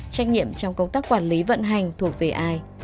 trách nhiệm trong công tác quản lý vận hành thuộc về ai